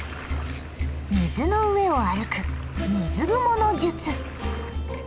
水の上を歩く水ぐもの術。